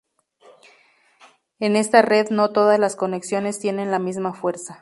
En esta red no todas las conexiones tienen la misma fuerza.